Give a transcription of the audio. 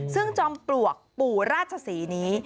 ซึ่งจอมปลวกปู่ราชศรีนี้